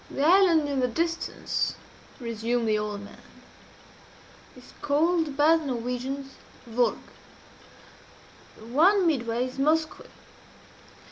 "The island in the distance," resumed the old man, "is called by the Norwegians Vurrgh. The one midway is Moskoe.